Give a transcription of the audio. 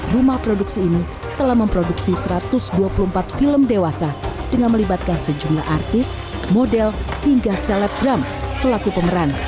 rumah produksi ini telah memproduksi satu ratus dua puluh empat film dewasa dengan melibatkan sejumlah artis model hingga selebgram selaku pemeran